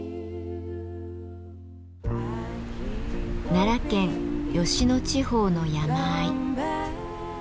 奈良県吉野地方の山あい。